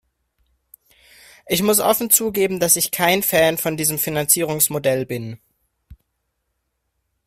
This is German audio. Ich muss offen zugeben, dass ich kein Fan von diesem Finanzierungsmodell bin.